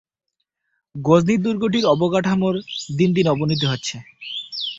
গজনী দুর্গটির অবকাঠামো দিন দিন অবনতি হচ্ছে।